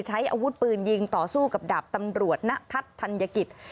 ใช้อาวุธปืนยิงต่อสู้กับดาบตำรวจณทัศน์ธัญกิจ